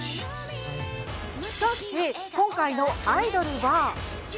しかし、今回のアイドルは。